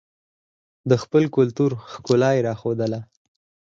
د خپل کلتور ښکلا یې راښودله.